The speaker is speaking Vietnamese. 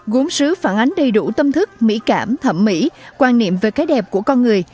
gốm sứ phản ánh đầy đủ tâm thức mỹ cảm thẩm mỹ quan niệm về cái đẹp của con người